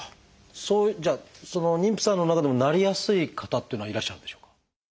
じゃあ妊婦さんの中でもなりやすい方というのはいらっしゃるんでしょうか？